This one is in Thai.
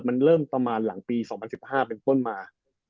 มันเริ่มประมาณหลังปี๒๐๑๕เป็นต้นมา